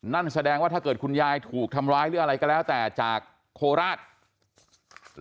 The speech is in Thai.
นั่นแสดงว่าถ้าเกิดคุณยายถูกทำร้ายหรืออะไรก็แล้วแต่จากโคราช